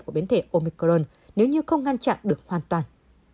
của biến thể omicron nếu như không ngăn chặn được hoàn toàn